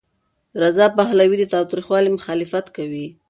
رضا پهلوي د تاوتریخوالي مخالفت کوي.